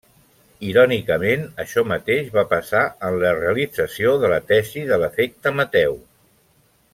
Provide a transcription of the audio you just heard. Irònicament això mateix va passar en la realització de la tesi de l'Efecte Mateu.